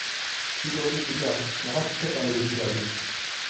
Vî dengê cuda niha tiştek anîbû bîra wî.